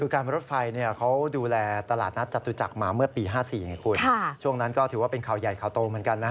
การรถไฟเขาดูแลตลาดนัดจตุจักรมาเมื่อปี๕๔ไงคุณช่วงนั้นก็ถือว่าเป็นข่าวใหญ่ข่าวโตเหมือนกันนะ